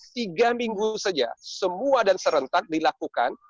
tiga minggu saja semua dan serentak dilakukan